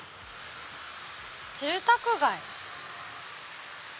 住宅街。